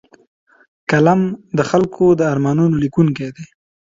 قلم د خلکو د ارمانونو لیکونکی دی